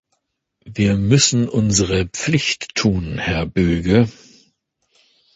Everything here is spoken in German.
Wir müssen unsere Pflicht tun, Herr Böge!